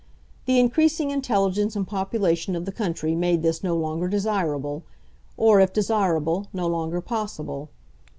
The increasing intelligence and population of the country made this no longer desirable, or, if desirable, no longer possible.